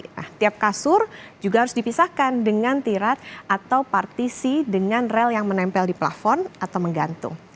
nah tiap kasur juga harus dipisahkan dengan tirat atau partisi dengan rel yang menempel di plafon atau menggantung